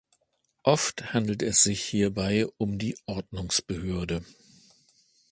Oft handelt es sich hierbei um die Ordnungsbehörde.